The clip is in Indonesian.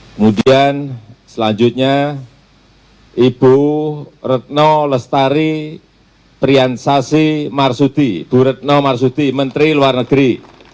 kemudian selanjutnya ibu retno lestari triansasi marsudi bu retno marsudi menteri luar negeri